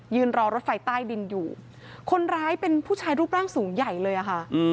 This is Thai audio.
รอรถไฟใต้ดินอยู่คนร้ายเป็นผู้ชายรูปร่างสูงใหญ่เลยอะค่ะ